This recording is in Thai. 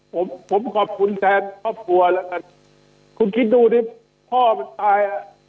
ผมผมขอบคุณแทนพ่อผัวละกันคุณคิดดูที่พ่อมันตาย